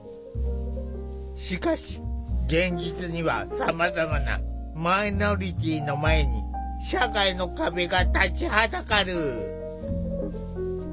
しかし現実にはさまざまなマイノリティーの前に社会の壁が立ちはだかる。